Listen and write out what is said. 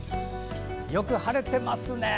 よく晴れてますね。